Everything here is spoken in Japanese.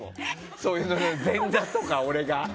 そういう前座とか、俺が。